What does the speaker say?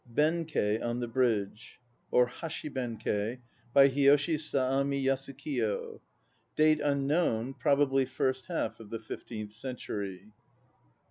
BENKEI ON THE BRIDGE (HASHI BENKEI) By HIYOSHI SA AMI YASUKIYO (Date unknown, probably first half of the fifteenth century.)